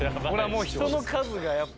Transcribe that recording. もう人の数がやっぱ。